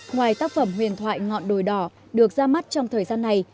ngoài tác phẩm huyền thoại ngọn đồi đỏ được ra mắt trong thời gian này